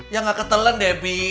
ya gak ketelan debi